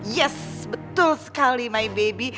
yes betul sekali my baby